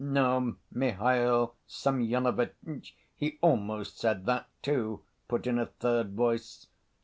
" "No, Mihail Semyonovitch, he almost said that, too," put in a third voice.